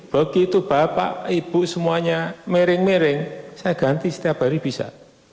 begitu bapak ibu semuanya mering miring saya ganti setiap hari bisa